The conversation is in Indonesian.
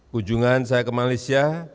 kunjungan saya ke malaysia